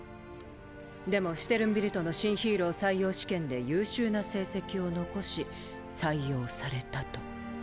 でもシュテルンビルトの新ヒーロー採用試験で優秀な成績を残し採用されたと。